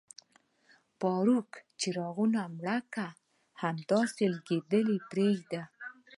فاروق، څراغونه مړه کړه، همداسې لګېدلي یې پرېږدئ.